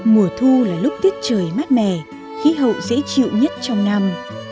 mùa thu là lúc tiết trời mát mẻ khí hậu dễ chịu nhất trong năm